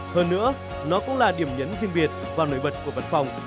hơn nữa nó cũng là điểm nhấn riêng biệt và nổi bật của văn phòng